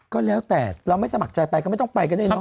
ก็แล้วแต่เราไม่สมัครใจไปก็ไม่ต้องไปกันเองเนอ